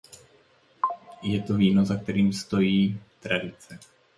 Je to víno, za kterým stojí tradice.